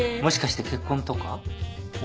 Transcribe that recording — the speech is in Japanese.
もしかして結婚とか？